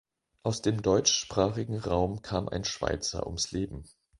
Aus dem deutschsprachigen Raum kam ein Schweizer ums Leben.